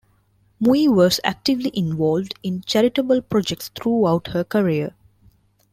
Mui was actively involved in charitable projects throughout her career.